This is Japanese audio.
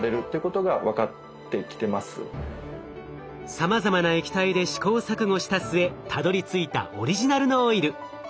さまざまな液体で試行錯誤した末たどりついたオリジナルのオイル。